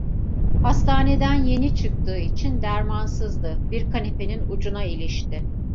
Hastaneden yeni çıktığı için dermansızdı, bir kanapenin ucuna ilişti.